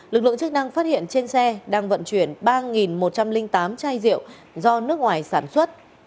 lực lượng chức năng phát hiện trên xe đang vận chuyển ba một trăm linh tám chai rượu do nước ngoài sản xuất